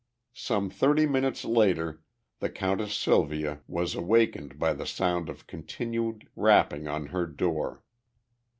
Some thirty minutes later the Countess Sylvia was awakened by the sound of continued rapping on her door.